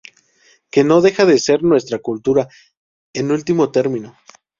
que no deja de ser nuestra cultura, en último término: